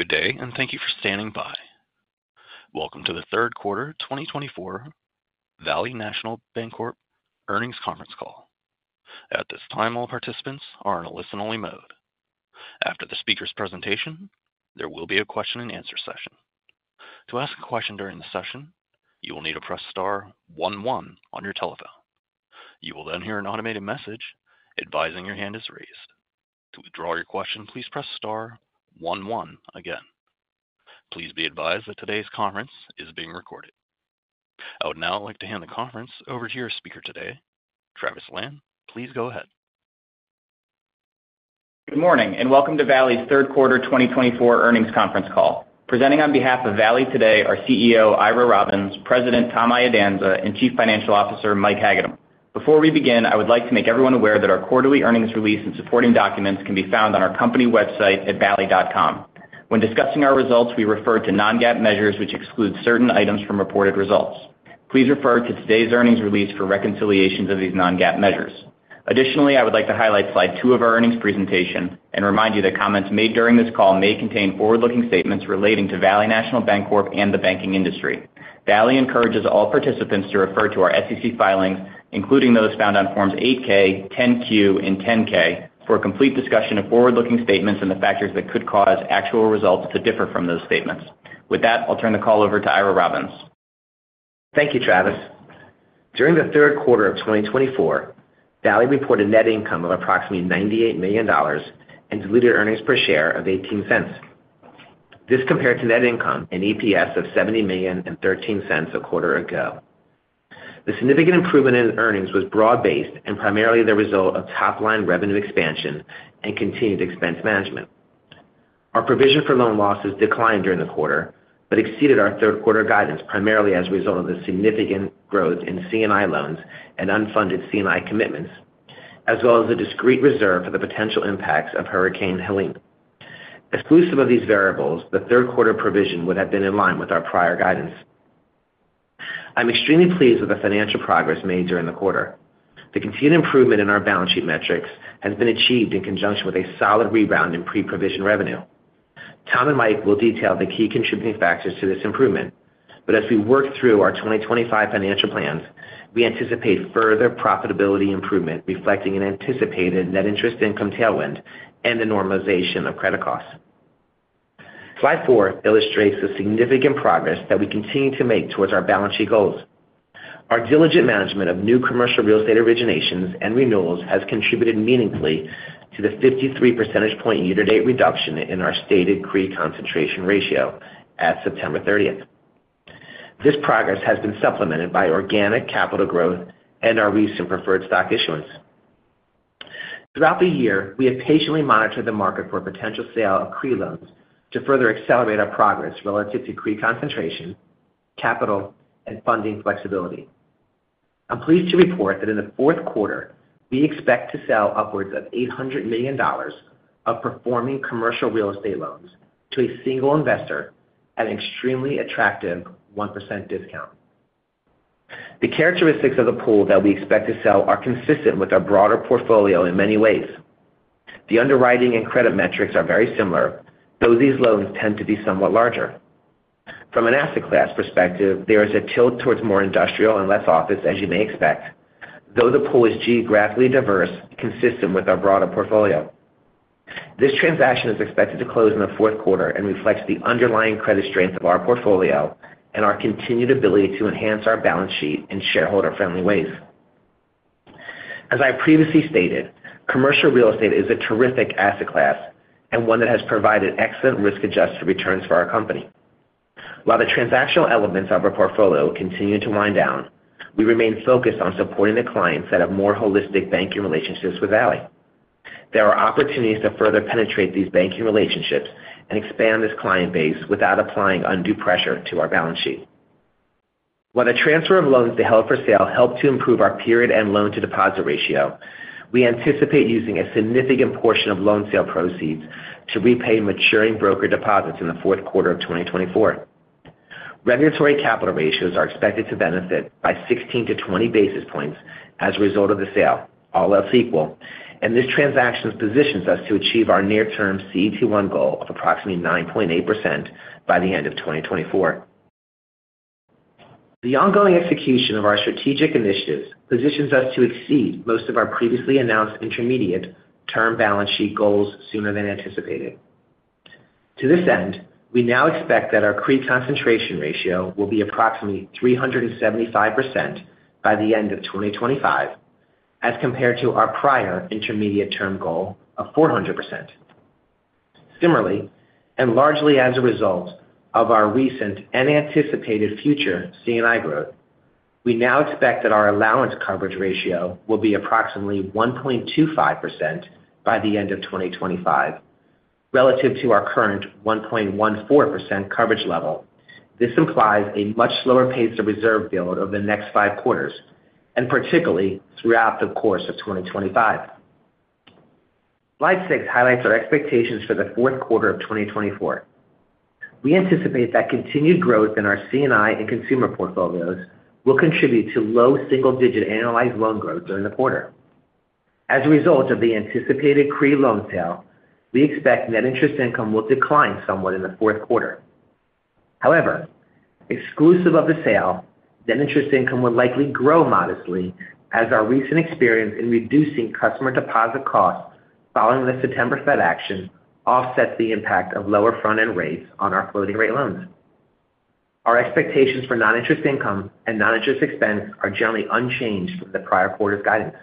Good day, and thank you for standing by. Welcome to the third quarter twenty twenty-four Valley National Bancorp earnings conference call. At this time, all participants are in a listen-only mode. After the speaker's presentation, there will be a question-and-answer session. To ask a question during the session, you will need to press star one one on your telephone. You will then hear an automated message advising your hand is raised. To withdraw your question, please press star one one again. Please be advised that today's conference is being recorded. I would now like to hand the conference over to your speaker today, Travis Lan. Please go ahead. Good morning, and welcome to Valley's third quarter twenty twenty-four earnings conference call. Presenting on behalf of Valley today are CEO, Ira Robbins, President, Tom Iadanza, and Chief Financial Officer, Mike Hagedorn. Before we begin, I would like to make everyone aware that our quarterly earnings release and supporting documents can be found on our company website at valley.com. When discussing our results, we refer to non-GAAP measures, which exclude certain items from reported results. Please refer to today's earnings release for reconciliations of these non-GAAP measures. Additionally, I would like to highlight slide two of our earnings presentation and remind you that comments made during this call may contain forward-looking statements relating to Valley National Bancorp and the banking industry. Valley encourages all participants to refer to our SEC filings, including those found on Forms 8-K, 10-Q, and 10-K, for a complete discussion of forward-looking statements and the factors that could cause actual results to differ from those statements. With that, I'll turn the call over to Ira Robbins. Thank you, Travis. During the third quarter of 2024, Valley reported net income of approximately $98 million and diluted earnings per share of $0.18. This compared to net income and EPS of $70 million and $0.13 a quarter ago. The significant improvement in earnings was broad-based and primarily the result of top-line revenue expansion and continued expense management. Our provision for loan losses declined during the quarter, but exceeded our third quarter guidance, primarily as a result of the significant growth in C&I loans and unfunded C&I commitments, as well as the discrete reserve for the potential impacts of Hurricane Helene. Exclusive of these variables, the third quarter provision would have been in line with our prior guidance. I'm extremely pleased with the financial progress made during the quarter. The continued improvement in our balance sheet metrics has been achieved in conjunction with a solid rebound in pre-provision revenue. Tom and Mike will detail the key contributing factors to this improvement, but as we work through our 2025 financial plans, we anticipate further profitability improvement, reflecting an anticipated net interest income tailwind and the normalization of credit costs. Slide four illustrates the significant progress that we continue to make towards our balance sheet goals. Our diligent management of new commercial real estate originations and renewals has contributed meaningfully to the 53 percentage point year-to-date reduction in our stated CRE concentration ratio at September 30th. This progress has been supplemented by organic capital growth and our recent preferred stock issuance. Throughout the year, we have patiently monitored the market for a potential sale of CRE loans to further accelerate our progress relative to CRE concentration, capital, and funding flexibility. I'm pleased to report that in the fourth quarter, we expect to sell upwards of $800 million of performing commercial real estate loans to a single investor at an extremely attractive 1% discount. The characteristics of the pool that we expect to sell are consistent with our broader portfolio in many ways. The underwriting and credit metrics are very similar, though these loans tend to be somewhat larger. From an asset class perspective, there is a tilt towards more industrial and less office, as you may expect, though the pool is geographically diverse, consistent with our broader portfolio. This transaction is expected to close in the fourth quarter and reflects the underlying credit strength of our portfolio and our continued ability to enhance our balance sheet in shareholder-friendly ways. As I previously stated, commercial real estate is a terrific asset class and one that has provided excellent risk-adjusted returns for our company. While the transactional elements of our portfolio continue to wind down, we remain focused on supporting the clients that have more holistic banking relationships with Valley. There are opportunities to further penetrate these banking relationships and expand this client base without applying undue pressure to our balance sheet. While the transfer of loans to held for sale helps to improve our liquidity and loan-to-deposit ratio, we anticipate using a significant portion of loan sale proceeds to repay maturing brokered deposits in the fourth quarter of twenty twenty-four. Regulatory capital ratios are expected to benefit by 16-20 basis points as a result of the sale, all else equal, and this transaction positions us to achieve our near-term CET1 goal of approximately 9.8% by the end of 2024. The ongoing execution of our strategic initiatives positions us to exceed most of our previously announced intermediate-term balance sheet goals sooner than anticipated. To this end, we now expect that our CRE concentration ratio will be approximately 375% by the end of 2025, as compared to our prior intermediate-term goal of 400%. Similarly, and largely as a result of our recent and anticipated future C&I growth, we now expect that our allowance coverage ratio will be approximately 1.25% by the end of 2025 relative to our current 1.14% coverage level. This implies a much slower pace of reserve build over the next five quarters, and particularly throughout the course of 2025. Slide six highlights our expectations for the fourth quarter of 2024. We anticipate that continued growth in our C&I and consumer portfolios will contribute to low single-digit annualized loan growth during the quarter. As a result of the anticipated CRE loan sale, we expect net interest income will decline somewhat in the fourth quarter. However, exclusive of the sale, net interest income will likely grow modestly as our recent experience in reducing customer deposit costs following the September Fed action offsets the impact of lower front-end rates on our floating-rate loans. Our expectations for non-interest income and non-interest expense are generally unchanged from the prior quarter's guidance.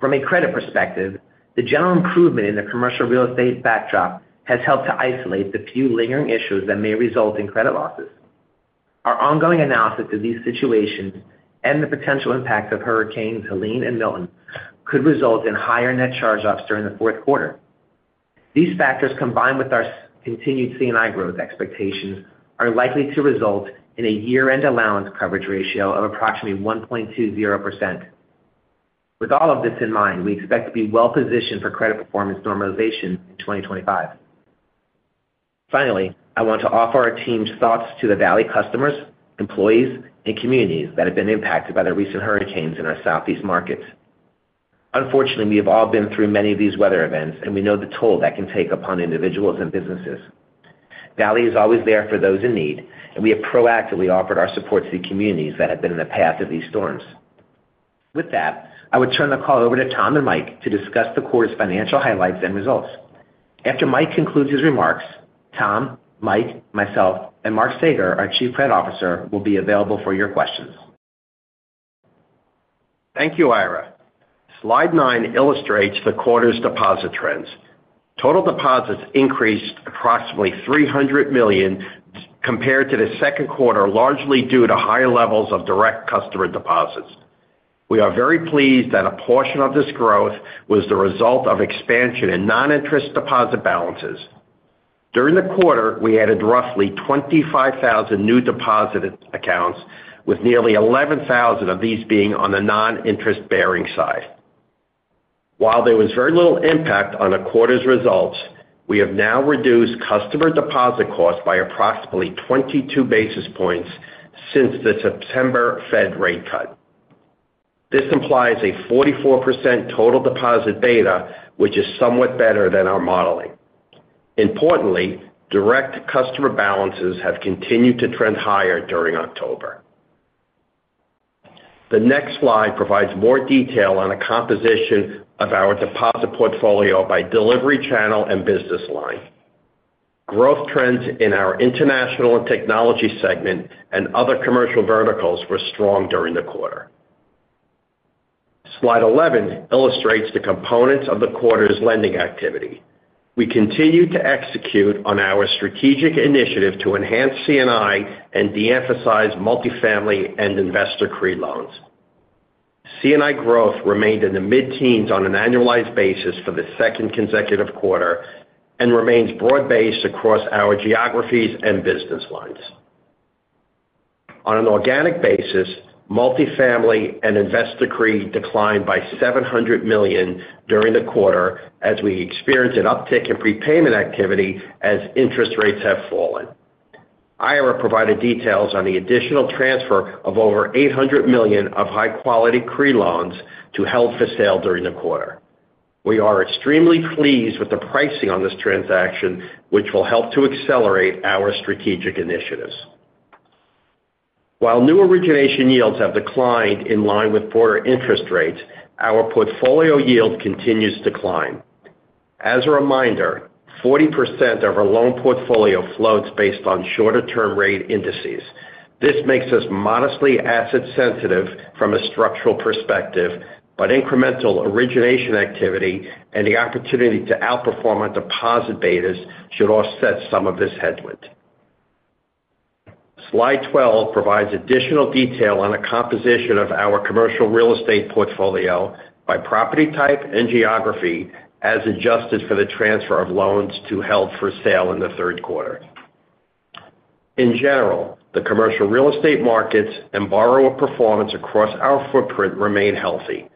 From a credit perspective, the general improvement in the commercial real estate backdrop has helped to isolate the few lingering issues that may result in credit losses. Our ongoing analysis of these situations and the potential impact of hurricanes Helene and Milton could result in higher net charge-offs during the fourth quarter. These factors, combined with our continued C&I growth expectations, are likely to result in a year-end allowance coverage ratio of approximately 1.20%. With all of this in mind, we expect to be well positioned for credit performance normalization in 2025. Finally, I want to offer our team's thoughts to the Valley customers, employees, and communities that have been impacted by the recent hurricanes in our Southeast markets. Unfortunately, we have all been through many of these weather events, and we know the toll that can take upon individuals and businesses. Valley is always there for those in need, and we have proactively offered our support to the communities that have been in the path of these storms. With that, I would turn the call over to Tom and Mike to discuss the quarter's financial highlights and results. After Mike concludes his remarks, Tom, Mike, myself, and Mark Saeger, our Chief Credit Officer, will be available for your questions. Thank you, Ira. Slide nine illustrates the quarter's deposit trends. Total deposits increased approximately $300 million compared to the second quarter, largely due to higher levels of direct customer deposits. We are very pleased that a portion of this growth was the result of expansion in non-interest deposit balances. During the quarter, we added roughly 25,000 new deposit accounts, with nearly 11,000 of these being on the non-interest-bearing side. While there was very little impact on the quarter's results, we have now reduced customer deposit costs by approximately 22 basis points since the September Fed rate cut. This implies a 44% total deposit beta, which is somewhat better than our modeling. Importantly, direct customer balances have continued to trend higher during October. The next slide provides more detail on the composition of our deposit portfolio by delivery channel and business line. Growth trends in our international and technology segment and other commercial verticals were strong during the quarter. Slide 11 illustrates the components of the quarter's lending activity. We continue to execute on our strategic initiative to enhance C&I and de-emphasize multifamily and investor CRE loans. C&I growth remained in the mid-teens on an annualized basis for the second consecutive quarter and remains broad-based across our geographies and business lines. On an organic basis, multifamily and investor CRE declined by $700 million during the quarter as we experienced an uptick in prepayment activity as interest rates have fallen. Ira provided details on the additional transfer of over $800 million of high-quality CRE loans to held for sale during the quarter. We are extremely pleased with the pricing on this transaction, which will help to accelerate our strategic initiatives. While new origination yields have declined in line with broader interest rates, our portfolio yield continues to climb. As a reminder, 40% of our loan portfolio floats based on shorter-term rate indices. This makes us modestly asset sensitive from a structural perspective, but incremental origination activity and the opportunity to outperform on deposit betas should offset some of this headwind. Slide 12 provides additional detail on the composition of our commercial real estate portfolio by property type and geography, as adjusted for the transfer of loans to held for sale in the third quarter. In general, the commercial real estate markets and borrower performance across our footprint remain healthy.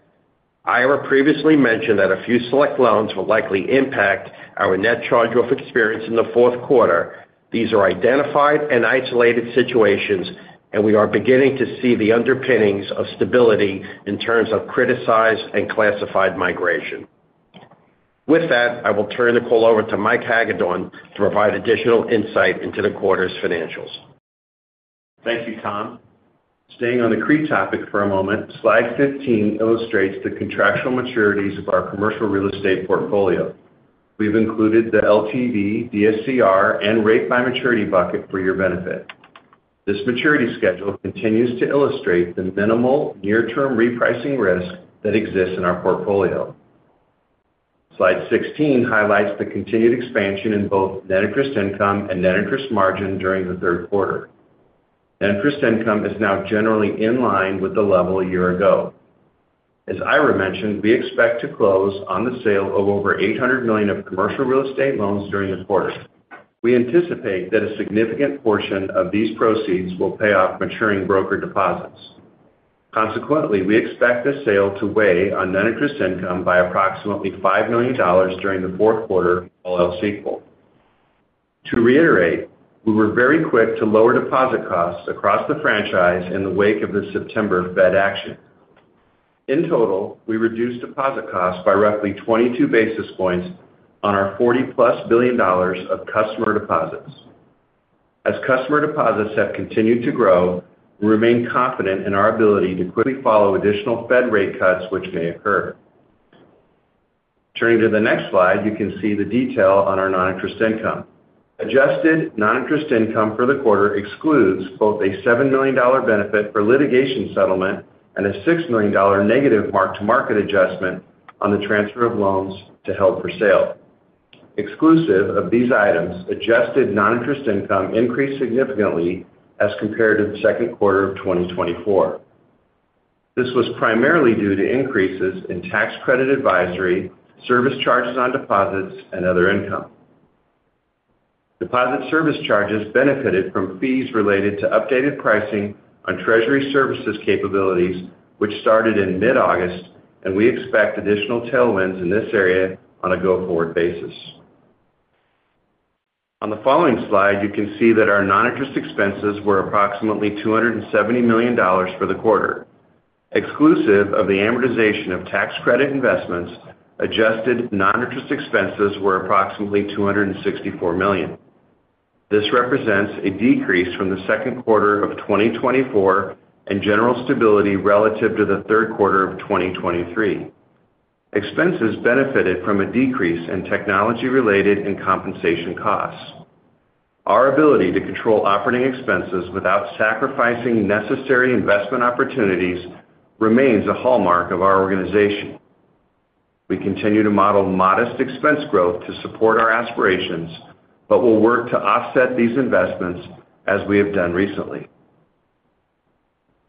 Ira previously mentioned that a few select loans will likely impact our net charge-off experience in the fourth quarter. These are identified and isolated situations, and we are beginning to see the underpinnings of stability in terms of criticized and classified migration. With that, I will turn the call over to Mike Hagedorn to provide additional insight into the quarter's financials. Thank you, Tom. Staying on the CRE topic for a moment, Slide 15 illustrates the contractual maturities of our commercial real estate portfolio. We've included the LTV, DSCR, and rate by maturity bucket for your benefit. This maturity schedule continues to illustrate the minimal near-term repricing risk that exists in our portfolio. Slide 16 highlights the continued expansion in both net interest income and net interest margin during the third quarter. Net interest income is now generally in line with the level a year ago. As Ira mentioned, we expect to close on the sale of over $800 million of commercial real estate loans during the quarter. We anticipate that a significant portion of these proceeds will pay off maturing brokered deposits. Consequently, we expect this sale to weigh on net interest income by approximately $5 million during the fourth quarter, all else equal. To reiterate, we were very quick to lower deposit costs across the franchise in the wake of the September Fed action. In total, we reduced deposit costs by roughly 22 basis points on our $40-plus billion of customer deposits. As customer deposits have continued to grow, we remain confident in our ability to quickly follow additional Fed rate cuts, which may occur. Turning to the next slide, you can see the detail on our non-interest income. Adjusted non-interest income for the quarter excludes both a $7 million benefit for litigation settlement and a $6 million negative mark-to-market adjustment on the transfer of loans to held for sale. Exclusive of these items, adjusted non-interest income increased significantly as compared to the second quarter of 2024. This was primarily due to increases in tax credit advisory, service charges on deposits, and other income. Deposit service charges benefited from fees related to updated pricing on treasury services capabilities, which started in mid-August, and we expect additional tailwinds in this area on a go-forward basis. On the following slide, you can see that our non-interest expenses were approximately $270 million for the quarter. Exclusive of the amortization of tax credit investments, adjusted non-interest expenses were approximately $264 million. This represents a decrease from the second quarter of 2024 and general stability relative to the third quarter of 2023. Expenses benefited from a decrease in technology-related and compensation costs. Our ability to control operating expenses without sacrificing necessary investment opportunities remains a hallmark of our organization. We continue to model modest expense growth to support our aspirations, but we'll work to offset these investments as we have done recently.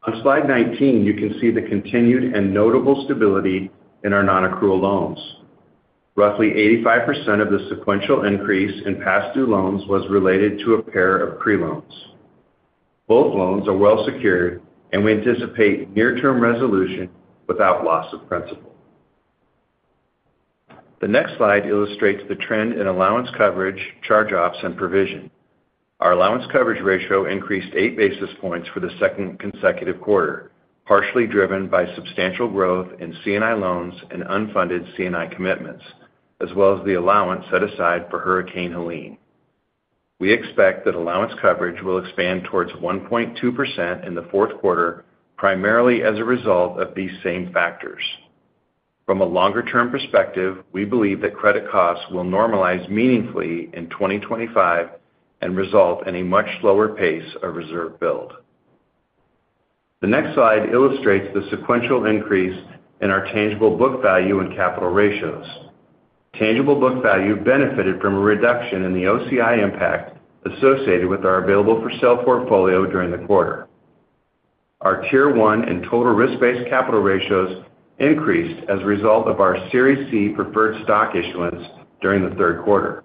On slide 19, you can see the continued and notable stability in our non-accrual loans. Roughly 85% of the sequential increase in past due loans was related to a pair of CRE loans. Both loans are well secured, and we anticipate near-term resolution without loss of principal. The next slide illustrates the trend in allowance coverage, charge-offs, and provision. Our allowance coverage ratio increased eight basis points for the second consecutive quarter, partially driven by substantial growth in C&I loans and unfunded C&I commitments, as well as the allowance set aside for Hurricane Helene. We expect that allowance coverage will expand towards 1.2% in the fourth quarter, primarily as a result of these same factors. From a longer-term perspective, we believe that credit costs will normalize meaningfully in twenty twenty-five and result in a much slower pace of reserve build. The next slide illustrates the sequential increase in our tangible book value and capital ratios. Tangible book value benefited from a reduction in the OCI impact associated with our available-for-sale portfolio during the quarter. Our Tier 1 and total risk-based capital ratios increased as a result of our Series C preferred stock issuance during the third quarter.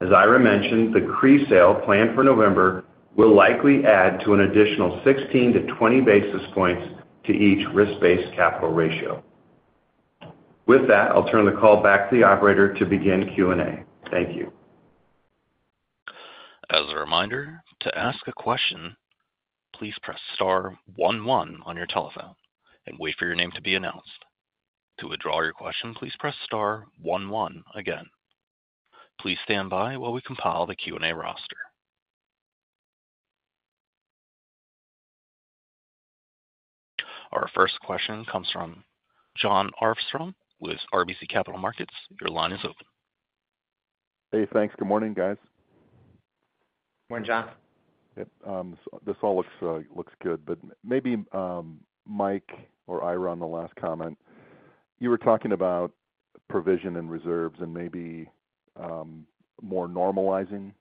As Ira mentioned, the CRE sale planned for November will likely add to an additional 16 to 20 basis points to each risk-based capital ratio. With that, I'll turn the call back to the operator to begin Q&A. Thank you. As a reminder, to ask a question, please press star one one on your telephone and wait for your name to be announced. To withdraw your question, please press star one one again. Please stand by while we compile the Q&A roster. Our first question comes from Jon Arfstrom with RBC Capital Markets. Your line is open. Hey, thanks. Good morning, guys. Good morning, John. Yep, this all looks good. But maybe Mike or Ira, on the last comment, you were talking about provision and reserves and maybe more normalizing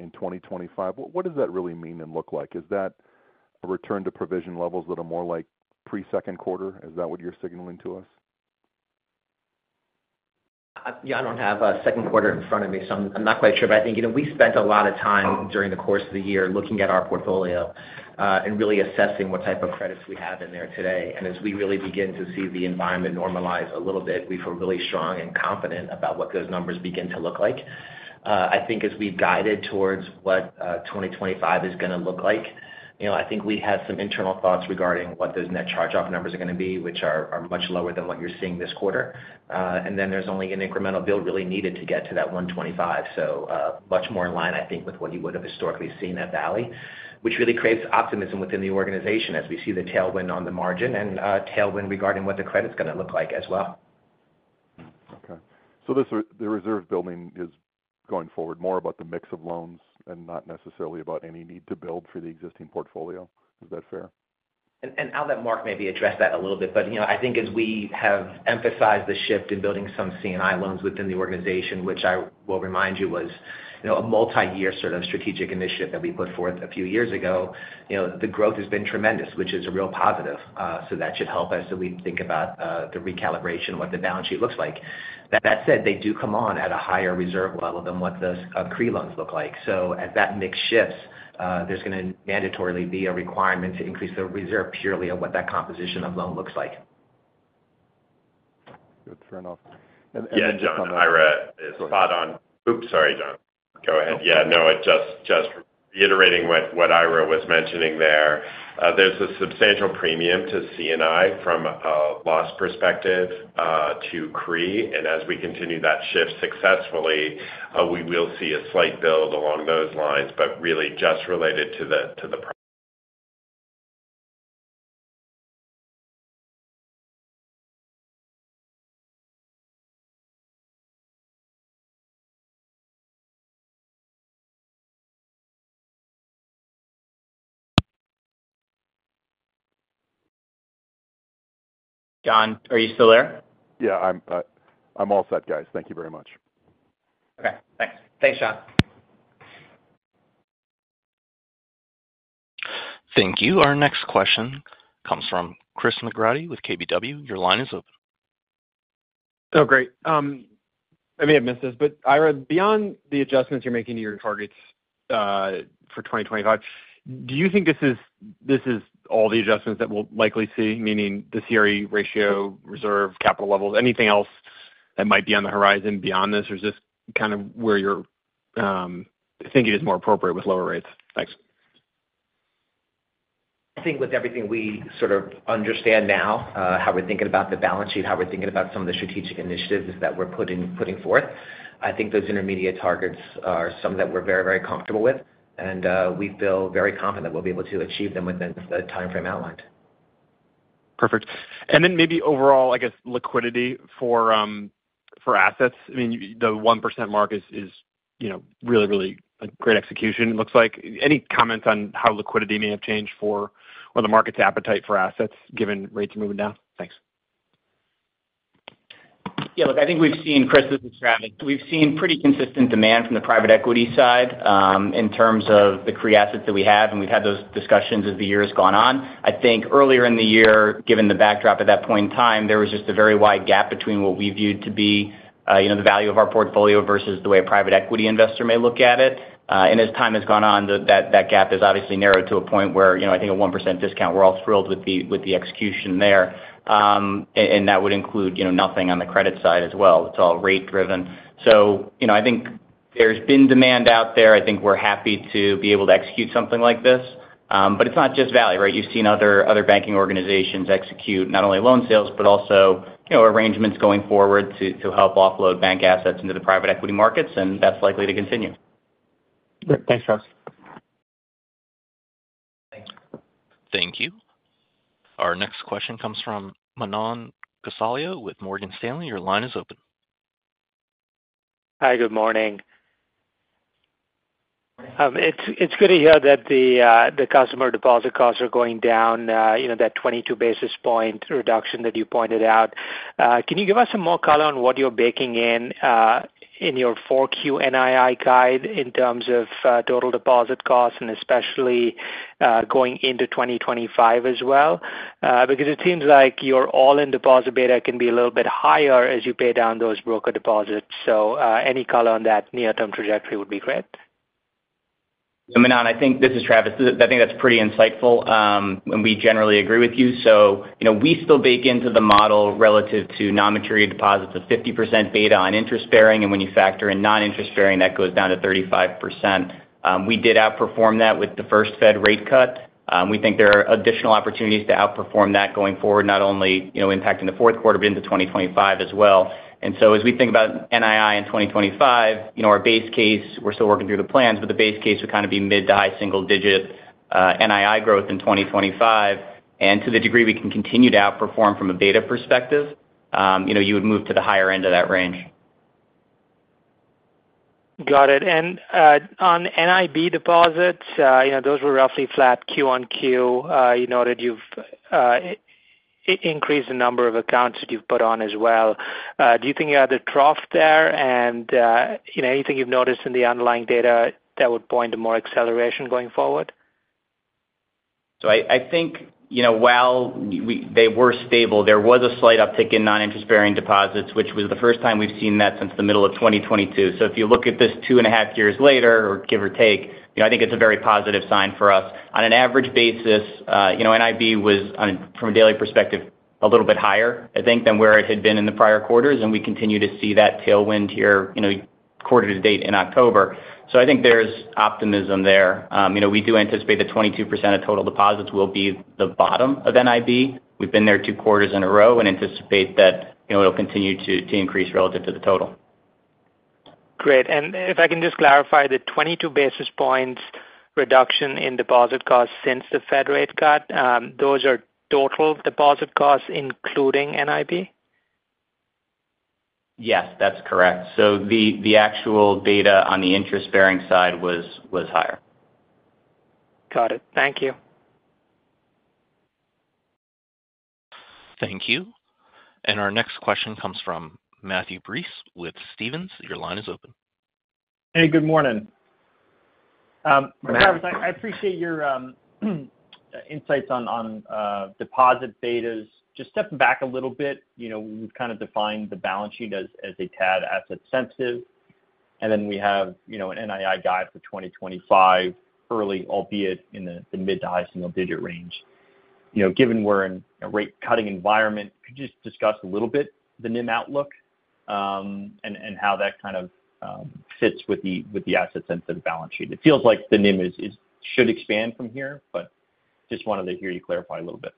in 2025. What does that really mean and look like? Is that a return to provision levels that are more like pre-second quarter? Is that what you're signaling to us? Yeah, I don't have second quarter in front of me, so I'm not quite sure. But I think, you know, we spent a lot of time during the course of the year looking at our portfolio and really assessing what type of credits we have in there today. And as we really begin to see the environment normalize a little bit, we feel really strong and confident about what those numbers begin to look like. I think as we've guided towards what twenty twenty-five is going to look like, you know, I think we have some internal thoughts regarding what those net charge-off numbers are going to be, which are much lower than what you're seeing this quarter. And then there's only an incremental build really needed to get to that one twenty-five. Much more in line, I think, with what you would have historically seen at Valley, which really creates optimism within the organization as we see the tailwind on the margin and tailwind regarding what the credit's going to look like as well. Okay. So the reserve building is, going forward, more about the mix of loans and not necessarily about any need to build for the existing portfolio. Is that fair? I'll let Mark maybe address that a little bit. But, you know, I think as we have emphasized the shift in building some C&I loans within the organization, which I will remind you was, you know, a multiyear sort of strategic initiative that we put forth a few years ago, you know, the growth has been tremendous, which is a real positive. So that should help us as we think about the recalibration, what the balance sheet looks like. That said, they do come on at a higher reserve level than what those CRE loans look like. So as that mix shifts, there's going to mandatorily be a requirement to increase the reserve purely on what that composition of loan looks like.... Yeah, Jon, Ira is spot on. Oops, sorry, Jon. Go ahead. Yeah, no, just reiterating what Ira was mentioning there. There's a substantial premium to C&I from a loss perspective to CRE. And as we continue that shift successfully, we will see a slight build along those lines, but really just related to the- Jon, are you still there? Yeah, I'm all set, guys. Thank you very much. Okay, thanks. Thanks, Jon. Thank you. Our next question comes from Chris McGratty with KBW. Your line is open. Oh, great. I may have missed this, but Ira, beyond the adjustments you're making to your targets for twenty twenty-five, do you think this is all the adjustments that we'll likely see, meaning the CRE ratio, reserve, capital levels, anything else that might be on the horizon beyond this? Or is this kind of where you're thinking is more appropriate with lower rates? Thanks. I think with everything we sort of understand now, how we're thinking about the balance sheet, how we're thinking about some of the strategic initiatives that we're putting forth, I think those intermediate targets are some that we're very, very comfortable with, and we feel very confident that we'll be able to achieve them within the timeframe outlined. Perfect. And then maybe overall, I guess, liquidity for, for assets. I mean, the 1% mark is, you know, really, really a great execution it looks like. Any comments on how liquidity may have changed for, or the market's appetite for assets given rates are moving down? Thanks. Yeah, look, I think we've seen, Chris, this is Travis. We've seen pretty consistent demand from the private equity side in terms of the CRE assets that we have, and we've had those discussions as the year has gone on. I think earlier in the year, given the backdrop at that point in time, there was just a very wide gap between what we viewed to be, you know, the value of our portfolio versus the way a private equity investor may look at it. And as time has gone on, that gap has obviously narrowed to a point where, you know, I think a 1% discount, we're all thrilled with the execution there. And that would include, you know, nothing on the credit side as well. It's all rate driven. You know, I think there's been demand out there. I think we're happy to be able to execute something like this, but it's not just value, right? You've seen other banking organizations execute not only loan sales, but also, you know, arrangements going forward to help offload bank assets into the private equity markets, and that's likely to continue. Great. Thanks, Travis. Thank you. Thank you. Our next question comes from Manan Gosalia with Morgan Stanley. Your line is open. Hi, good morning. It's good to hear that the customer deposit costs are going down, you know, that 22 basis points reduction that you pointed out. Can you give us some more color on what you're baking in, in your 4Q NII guide in terms of total deposit costs and especially going into 2025 as well? Because it seems like your all-in deposit beta can be a little bit higher as you pay down those brokered deposits. So, any color on that near-term trajectory would be great. Manan, I think this is Travis. I think that's pretty insightful, and we generally agree with you. You know, we still bake into the model relative to nonmaturity deposits of 50% beta on interest bearing, and when you factor in non-interest bearing, that goes down to 35%. We did outperform that with the first Fed rate cut. We think there are additional opportunities to outperform that going forward, not only, you know, impacting the fourth quarter, but into 2025 as well. As we think about NII in 2025, you know, our base case, we're still working through the plans, but the base case would kind of be mid- to high-single-digit NII growth in 2025. And to the degree we can continue to outperform from a beta perspective, you know, you would move to the higher end of that range. Got it. And, on NIB deposits, you know, those were roughly flat Q-on-Q. You noted you've increased the number of accounts that you've put on as well. Do you think you're at a trough there? And, you know, anything you've noticed in the underlying data that would point to more acceleration going forward? So I think, you know, while they were stable, there was a slight uptick in non-interest-bearing deposits, which was the first time we've seen that since the middle of 2022. So if you look at this two-and-a-half years later, or give or take, you know, I think it's a very positive sign for us. On an average basis, you know, NIB was on, from a daily perspective, a little bit higher, I think, than where it had been in the prior quarters, and we continue to see that tailwind here, you know, quarter to date in October. So I think there's optimism there. You know, we do anticipate that 22% of total deposits will be the bottom of NIB. We've been there two quarters in a row and anticipate that, you know, it'll continue to increase relative to the total. Great, and if I can just clarify, the 22 basis points reduction in deposit costs since the Fed rate cut, those are total deposit costs, including NIB? Yes, that's correct. So the actual data on the interest-bearing side was higher. Got it. Thank you. Thank you. And our next question comes from Matthew Breese with Stephens. Your line is open. Hey, good morning. I appreciate your insights on deposit betas. Just stepping back a little bit, you know, we've kind of defined the balance sheet as a tad asset sensitive.... And then we have, you know, an NII guide for 2025 early, albeit in the mid- to high-single-digit range. You know, given we're in a rate cutting environment, could you just discuss a little bit the NIM outlook, and how that kind of fits with the asset sensitive balance sheet? It feels like the NIM should expand from here, but just wanted to hear you clarify a little bit.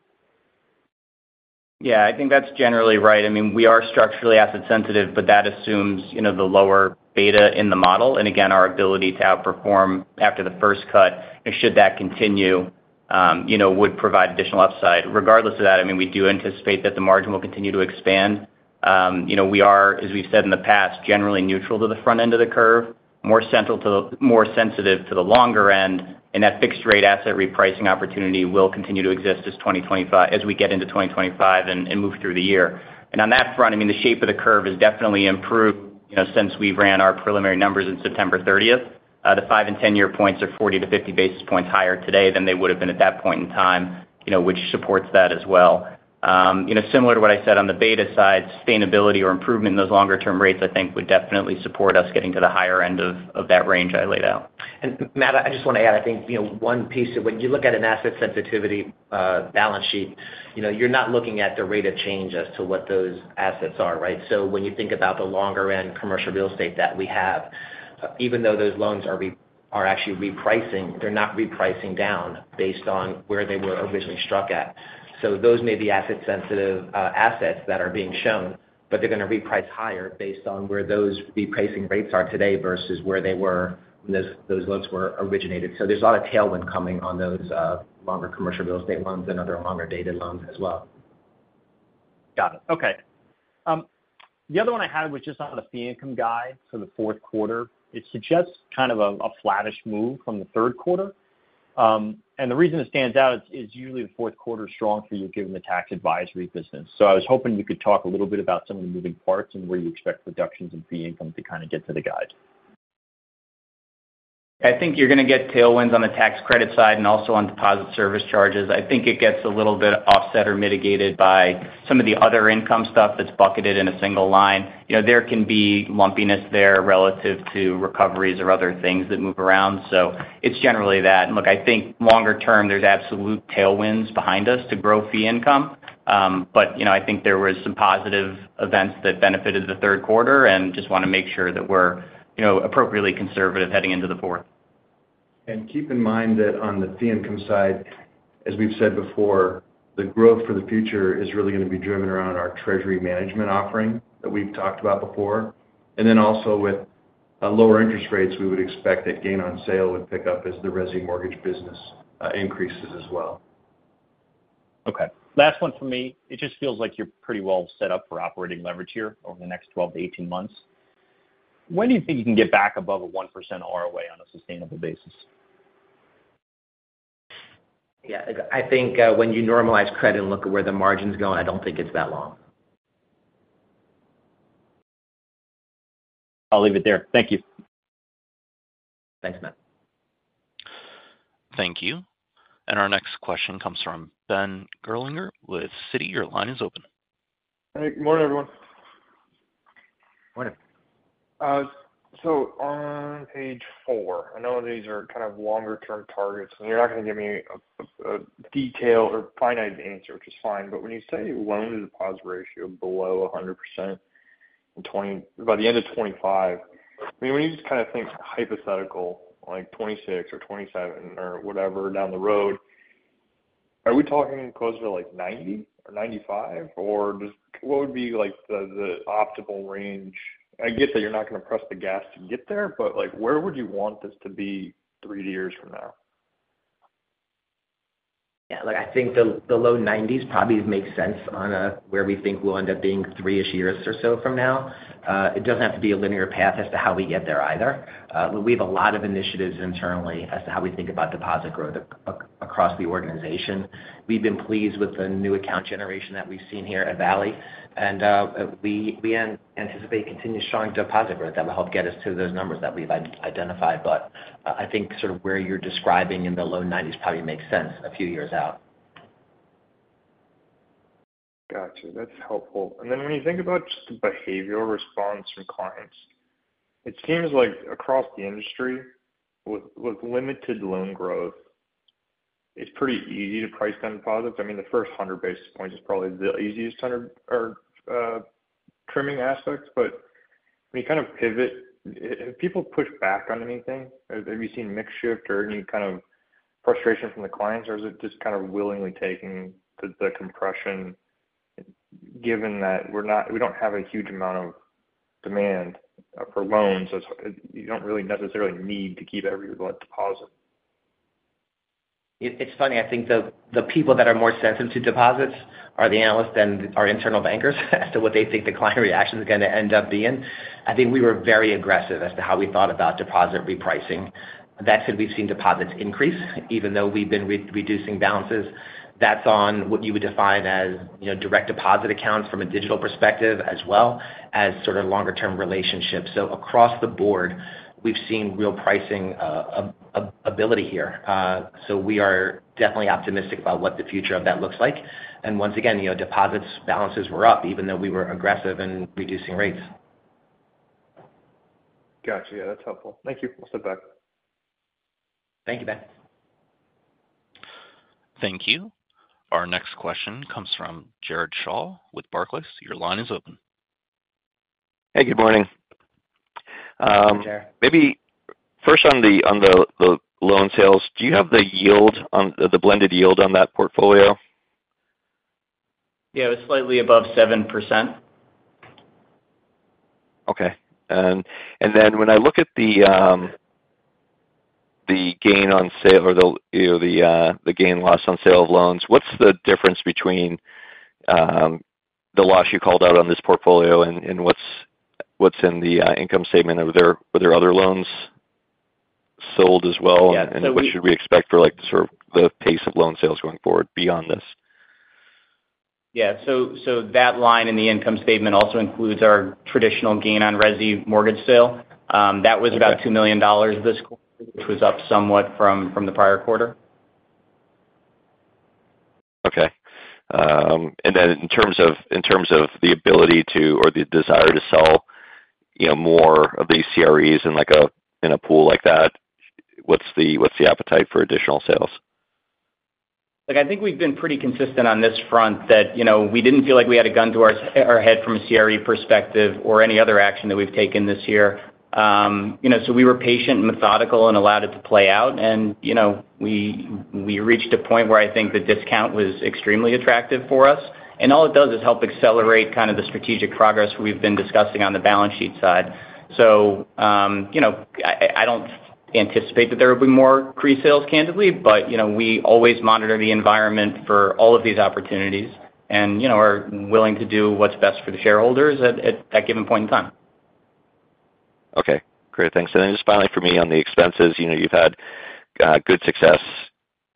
Yeah, I think that's generally right. I mean, we are structurally asset sensitive, but that assumes, you know, the lower beta in the model. And again, our ability to outperform after the first cut, and should that continue, you know, would provide additional upside. Regardless of that, I mean, we do anticipate that the margin will continue to expand. You know, we are, as we've said in the past, generally neutral to the front end of the curve, more central to the, more sensitive to the longer end, and that fixed rate asset repricing opportunity will continue to exist as twenty twenty-five, as we get into twenty twenty-five and, and move through the year. And on that front, I mean, the shape of the curve has definitely improved, you know, since we ran our preliminary numbers in September 30th. The five and ten-year points are forty to fifty basis points higher today than they would have been at that point in time, you know, which supports that as well. You know, similar to what I said on the beta side, sustainability or improvement in those longer term rates, I think would definitely support us getting to the higher end of that range I laid out. Matt, I just want to add, I think, you know, one piece, when you look at an asset sensitive balance sheet, you know, you're not looking at the rate of change as to what those assets are, right? So when you think about the longer end commercial real estate that we have, even though those loans are actually repricing, they're not repricing down based on where they were originally struck at. So those may be asset sensitive assets that are being shown, but they're going to reprice higher based on where those repricing rates are today versus where they were when those loans were originated. So there's a lot of tailwind coming on those longer commercial real estate loans and other longer dated loans as well. Got it. Okay. The other one I had was just on the fee income guide for the fourth quarter. It suggests kind of a flattish move from the third quarter. And the reason it stands out is usually the fourth quarter is strong for you, given the tax advisory business. So I was hoping you could talk a little bit about some of the moving parts and where you expect reductions in fee income to kind of get to the guide. I think you're going to get tailwinds on the tax credit side and also on deposit service charges. I think it gets a little bit offset or mitigated by some of the other income stuff that's bucketed in a single line. You know, there can be lumpiness there relative to recoveries or other things that move around, so it's generally that. Look, I think longer term, there's absolute tailwinds behind us to grow fee income. But, you know, I think there was some positive events that benefited the third quarter and just want to make sure that we're, you know, appropriately conservative heading into the fourth. Keep in mind that on the fee income side, as we've said before, the growth for the future is really going to be driven around our treasury management offering that we've talked about before. Then also with lower interest rates, we would expect that gain on sale would pick up as the resi mortgage business increases as well. Okay, last one for me. It just feels like you're pretty well set up for operating leverage here over the next 12-18 months. When do you think you can get back above a 1% ROA on a sustainable basis? Yeah, I think, when you normalize credit and look at where the margins go, I don't think it's that long. I'll leave it there. Thank you. Thanks, Matt. Thank you. And our next question comes from Ben Gerlinger with Citi. Your line is open. Hey, good morning, everyone. Good Morning. So on page four, I know these are kind of longer-term targets, and you're not going to give me a detailed or finite answer, which is fine. But when you say loan-to-deposit ratio below 100% by the end of 2025, I mean, when you just kind of think hypothetical, like 2026 or 2027 or whatever down the road, are we talking closer to, like, 90% or 95%, or just what would be like the optimal range? I get that you're not going to press the gas to get there, but, like, where would you want this to be three years from now? Yeah, look, I think the low nineties probably makes sense on where we think we'll end up being three-ish years or so from now. It doesn't have to be a linear path as to how we get there either. But we have a lot of initiatives internally as to how we think about deposit growth across the organization. We've been pleased with the new account generation that we've seen here at Valley, and we anticipate continued strong deposit growth that will help get us to those numbers that we've identified. But I think sort of where you're describing in the low nineties probably makes sense a few years out. Got you. That's helpful. And then when you think about just the behavioral response from clients, it seems like across the industry, with limited loan growth, it's pretty easy to price down deposits. I mean, the first hundred basis points is probably the easiest hundred or trimming aspects. But when you kind of pivot, have people pushed back on anything? Have you seen mix shift or any kind of frustration from the clients, or is it just kind of willingly taking the compression, given that we don't have a huge amount of demand for loans, so you don't really necessarily need to keep every deposit. It's funny, I think the people that are more sensitive to deposits are the analysts than our internal bankers as to what they think the client reaction is going to end up being. I think we were very aggressive as to how we thought about deposit repricing. That said, we've seen deposits increase, even though we've been reducing balances. That's on what you would define as, you know, direct deposit accounts from a digital perspective, as well as sort of longer-term relationships. So across the board we've seen real pricing ability here. So we are definitely optimistic about what the future of that looks like. And once again, you know, deposits balances were up, even though we were aggressive in reducing rates. Gotcha. Yeah, that's helpful. Thank you. I'll step back. Thank you, Ben. Thank you. Our next question comes from Jared Shaw with Barclays. Your line is open. Hey, good morning. Hi, Jared. Maybe first on the loan sales, do you have the yield on the blended yield on that portfolio? Yeah, it's slightly above 7%. Okay. Then when I look at the gain on sale or the, you know, the gain loss on sale of loans, what's the difference between the loss you called out on this portfolio and what's in the income statement? Were there other loans sold as well? Yeah, so we- What should we expect for, like, sort of, the pace of loan sales going forward beyond this? Yeah, so that line in the income statement also includes our traditional gain on resi mortgage sale. That was- Okay... about $2 million this quarter, which was up somewhat from the prior quarter. Okay, and then in terms of the ability to or the desire to sell, you know, more of these CREs in, like, a pool like that, what's the appetite for additional sales? Look, I think we've been pretty consistent on this front, that, you know, we didn't feel like we had a gun to our head from a CRE perspective or any other action that we've taken this year. You know, so we were patient and methodical and allowed it to play out. You know, we reached a point where I think the discount was extremely attractive for us. And all it does is help accelerate kind of the strategic progress we've been discussing on the balance sheet side. You know, I don't anticipate that there will be more CRE sales, candidly, but, you know, we always monitor the environment for all of these opportunities and, you know, are willing to do what's best for the shareholders at that given point in time. Okay, great. Thanks. And then just finally, for me on the expenses, you know, you've had good success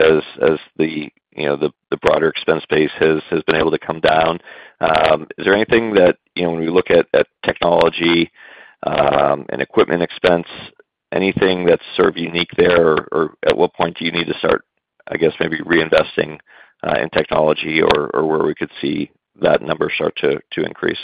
as the, you know, the broader expense base has been able to come down. Is there anything that, you know, when we look at technology and equipment expense, anything that's sort of unique there? Or at what point do you need to start, I guess, maybe reinvesting in technology or where we could see that number start to increase?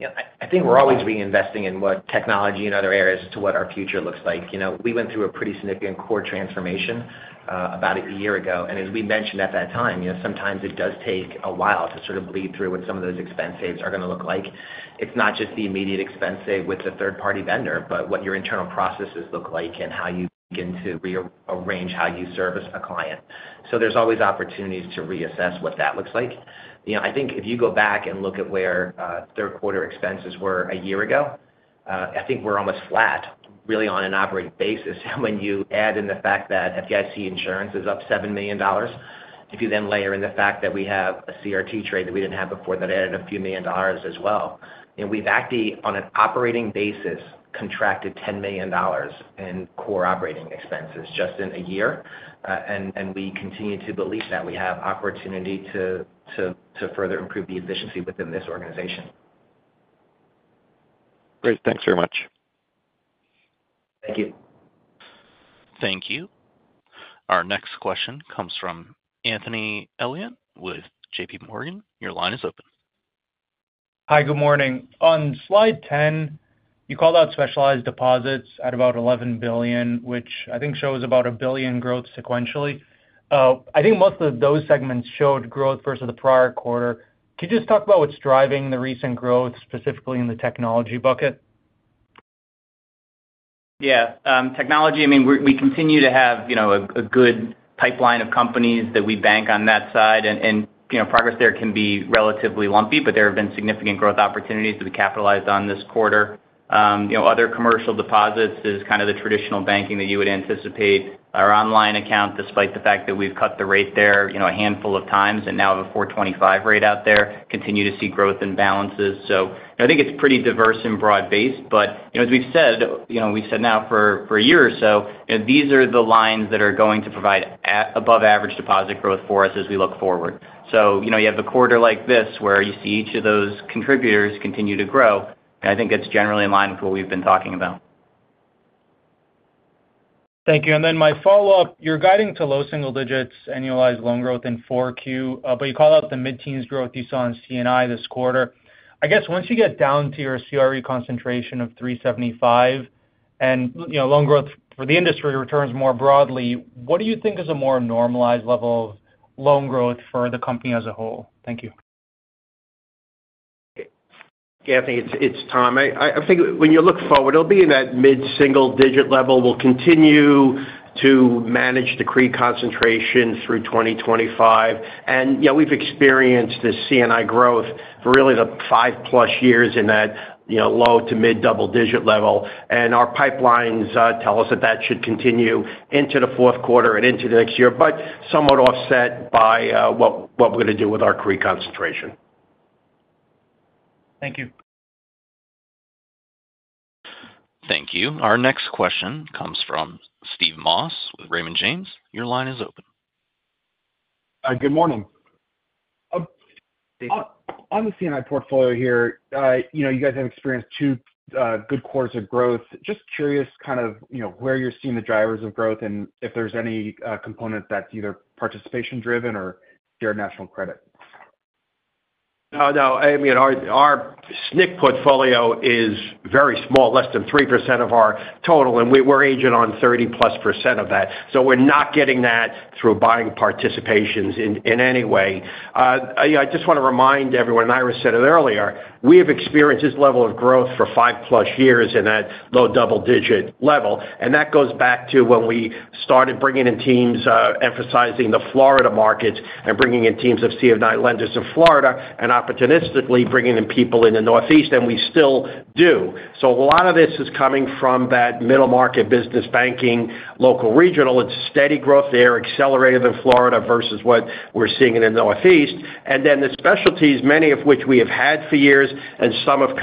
Yeah, I think we're always reinvesting in what technology and other areas to what our future looks like. You know, we went through a pretty significant core transformation about a year ago. And as we mentioned at that time, you know, sometimes it does take a while to sort of bleed through what some of those expense saves are gonna look like. It's not just the immediate expense save with the third party vendor, but what your internal processes look like and how you begin to rearrange how you service a client. So there's always opportunities to reassess what that looks like. You know, I think if you go back and look at where third quarter expenses were a year ago, I think we're almost flat, really, on an operating basis. When you add in the fact that FDIC insurance is up $7 million, if you then layer in the fact that we have a CRT trade that we didn't have before, that added a few million dollars as well, and we've actually, on an operating basis, contracted $10 million in core operating expenses just in a year. And we continue to believe that we have opportunity to further improve the efficiency within this organization. Great. Thanks very much. Thank you. Thank you. Our next question comes from Anthony Elian with J.P. Morgan. Your line is open. Hi, good morning. On slide 10, you called out specialized deposits at about $11 billion, which I think shows about $1 billion growth sequentially. I think most of those segments showed growth versus the prior quarter. Could you just talk about what's driving the recent growth, specifically in the technology bucket? Yeah. Technology, I mean, we continue to have, you know, a good pipeline of companies that we bank on that side. And, you know, progress there can be relatively lumpy, but there have been significant growth opportunities to be capitalized on this quarter. You know, other commercial deposits is kind of the traditional banking that you would anticipate. Our online account, despite the fact that we've cut the rate there, you know, a handful of times and now have a 4.25% rate out there, continue to see growth in balances. So I think it's pretty diverse and broad-based, but, you know, as we've said, you know, we've said now for a year or so, you know, these are the lines that are going to provide above average deposit growth for us as we look forward. So, you know, you have a quarter like this, where you see each of those contributors continue to grow, and I think that's generally in line with what we've been talking about. Thank you. Then my follow-up, you're guiding to low single digits, annualized loan growth in Q4, but you called out the mid-teens growth you saw in C&I this quarter. I guess once you get down to your CRE concentration of three seventy-five, and, you know, loan growth for the industry returns more broadly, what do you think is a more normalized level of loan growth for the company as a whole? Thank you. Yeah, I think it's Tom. I figure when you look forward, it'll be in that mid-single digit level. We'll continue to manage the CRE concentration through twenty twenty-five. And, you know, we've experienced this C&I growth for really the five-plus years in that, you know, low to mid double digit level. And our pipelines tell us that that should continue into the fourth quarter and into next year, but somewhat offset by what we're gonna do with our CRE concentration. Thank you. Thank you. Our next question comes from Steve Moss with Raymond James. Your line is open. Good morning. On the C&I portfolio here, you know, you guys have experienced two good quarters of growth. Just curious, kind of, you know, where you're seeing the drivers of growth, and if there's any component that's either participation driven or Shared National Credit? No, no. I mean, our SNC portfolio is very small, less than 3% of our total, and we're agenting on 30+% of that, so we're not getting that through buying participations in any way. I just wanna remind everyone, and Ira said it earlier, we have experienced this level of growth for five plus years in that low double digit level, and that goes back to when we started bringing in teams, emphasizing the Florida markets and bringing in teams of C&I lenders to Florida, and opportunistically bringing in people in the Northeast, and we still do, so a lot of this is coming from that middle market, business banking, local, regional. It's steady growth there, accelerated in Florida versus what we're seeing in the Northeast. Then the specialties, many of which we have had for years, and some have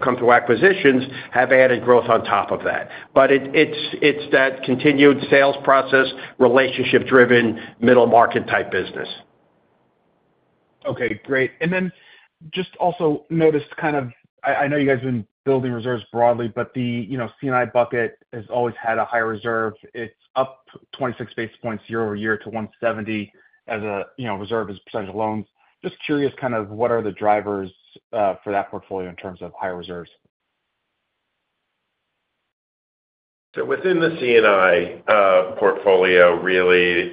come through acquisitions, have added growth on top of that. But it's that continued sales process, relationship driven, middle market type business. Okay, great. And then just also noticed, kind of. I know you guys have been building reserves broadly, but the, you know, C&I bucket has always had a high reserve. It's up 26 basis points year over year to 170 as a, you know, reserve as a percentage of loans. Just curious, kind of what are the drivers for that portfolio in terms of higher reserves? So within the C&I portfolio, really,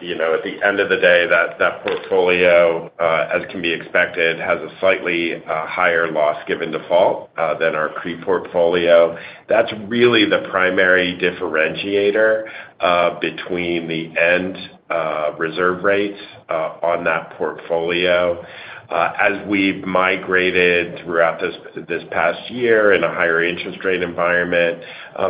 you know, at the end of the day, that portfolio, as can be expected, has a slightly higher loss given default than our CRE portfolio. That's really the primary differentiator between the end reserve rates on that portfolio. As we've migrated throughout this past year in a higher interest rate environment,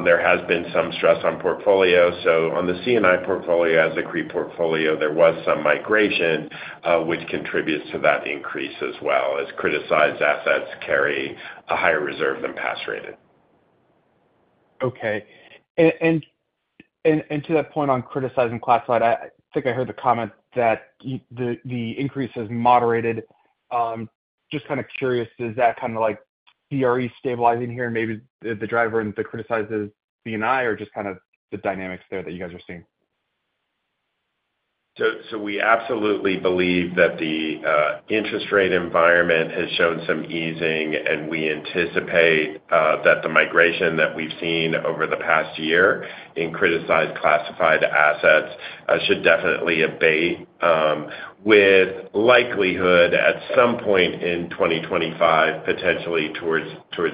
there has been some stress on the portfolio. So on the C&I portfolio, as the CRE portfolio, there was some migration, which contributes to that increase as well, as criticized assets carry a higher reserve than pass rated. Okay. And to that point on criticized classified, I think I heard the comment that the increase has moderated. Just kind of curious, is that kind of like CRE stabilizing here and maybe the driver and the criticized C&I, or just kind of the dynamics there that you guys are seeing? We absolutely believe that the interest rate environment has shown some easing, and we anticipate that the migration that we've seen over the past year in criticized, classified assets should definitely abate, with likelihood at some point in twenty twenty-five, potentially towards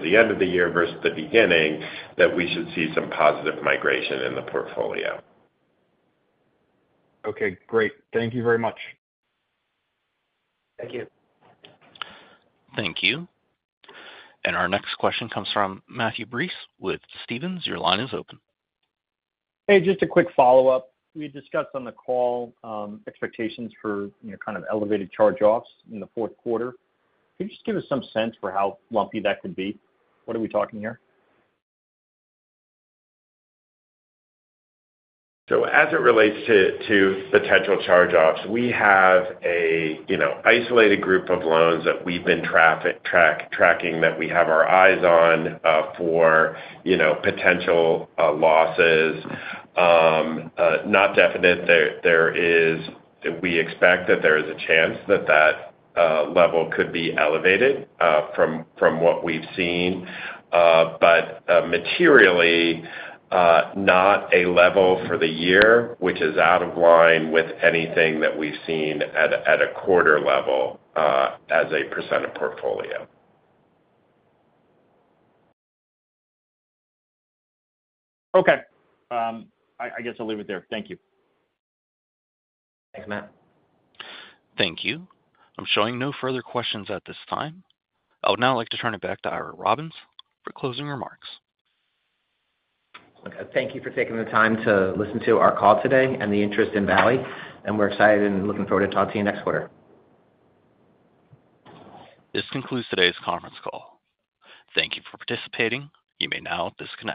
the end of the year versus the beginning, that we should see some positive migration in the portfolio. Okay, great. Thank you very much. Thank you. Thank you. And our next question comes from Matthew Breese with Stephens. Your line is open. Hey, just a quick follow-up. We discussed on the call, expectations for, you know, kind of elevated charge-offs in the fourth quarter. Could you just give us some sense for how lumpy that could be? What are we talking here? So as it relates to potential charge-offs, we have a, you know, isolated group of loans that we've been tracking, that we have our eyes on for, you know, potential losses. Not definite there. We expect that there is a chance that that level could be elevated from what we've seen, but materially not a level for the year, which is out of line with anything that we've seen at a quarter level as a percent of portfolio. Okay. I guess I'll leave it there. Thank you. Thanks, Matt. Thank you. I'm showing no further questions at this time. I would now like to turn it back to Ira Robbins for closing remarks. Okay. Thank you for taking the time to listen to our call today and the interest in Valley, and we're excited and looking forward to talking to you next quarter. This concludes today's conference call. Thank you for participating, you may now disconnect.